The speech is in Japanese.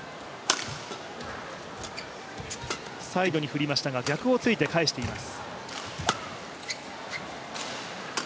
サイドに振りましたが、逆をついて返しています。